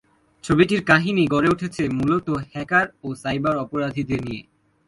ছবিটির কাহিনী গড়ে উঠেছে মূলত হ্যাকার ও সাইবার অপরাধীদের নিয়ে।